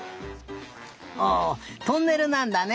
おトンネルなんだね。